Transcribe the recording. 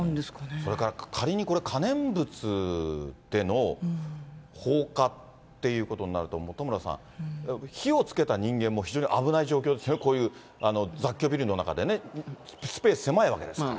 それから、仮にこれ、可燃物での放火っていうことになると、本村さん、火をつけた人間も非常に危ない状況ですね、こういう雑居ビルの中でね、スペース狭いわけですから。